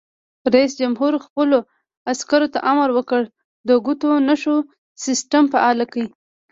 رئیس جمهور خپلو عسکرو ته امر وکړ؛ د ګوتو نښو سیسټم فعال کړئ!